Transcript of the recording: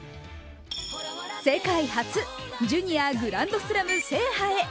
世界初、ジュニアグランドスラム制覇へ。